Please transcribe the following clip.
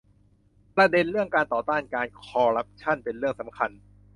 ประเด็นเรื่องการต่อต้านการคอร์รัปชั่นเป็นเรื่องสำคัญ